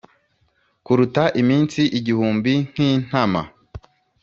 kuruta iminsi igihumbi nkintama